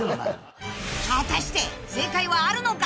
［果たして正解はあるのか？］